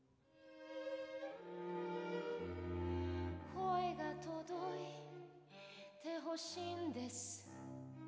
「声が届いて欲しいんです」